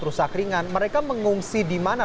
rusak ringan mereka mengungsi di mana